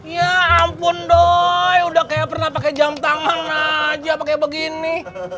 ya ampun doi udah kayak pernah pake jam tangan aja pake begini